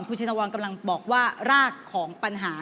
คุณชินวรกำลังบอกว่ารากของปัญหา